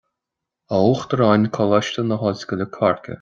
A Uachtaráin Coláiste na hOllscoile Corcaigh